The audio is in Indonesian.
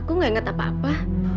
aku gak ingat apa apa